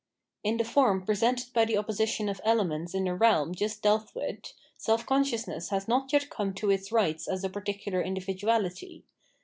In the form presented by the opposition of elements in the realm just dealt with, self consciousness has not yet come to its rights as a particular individuality.